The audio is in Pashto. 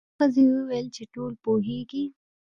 ښځې وویل چې ټول پوهیږي.